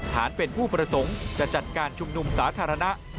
ฐานเป็นผู้ประสงค์จะจัดการชุมนุมสาธารณะ